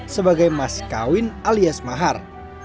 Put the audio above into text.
sebagai mas kawin alias mahar